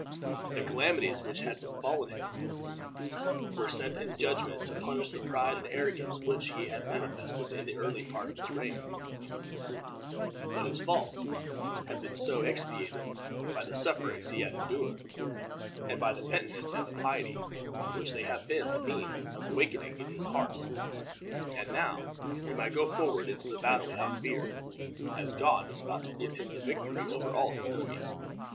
The calamities which had befallen him were sent in judgment to punish the pride and arrogance which he had manifested in the early part of his reign; but his faults had been expiated by the sufferings he had endured, and by the penitence and the piety which they had been the means of awakening in his heart; and now he might go forward into the battle without fear, as God was about to give him the victory over all his enemies.